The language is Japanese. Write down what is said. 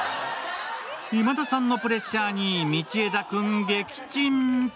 今田さんのプレッシャーに、道枝君撃沈。